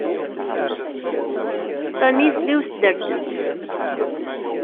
Sami yesla i usderdez.